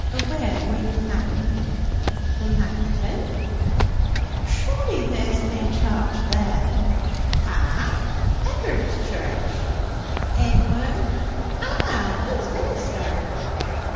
'Where were you married?' 'The Mountain.' 'Shawly there's no charch there?' 'Ah! Ed'ard's church.' 'Edward?' 'Ah! He's minister.'